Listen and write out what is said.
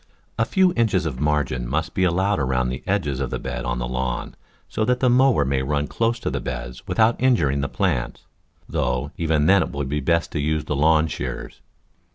A few inches of margin must be allowed around the edges of beds on the lawn so that the mower may run close to the beds without injuring the plants, though even then it will be best to use the lawn shears.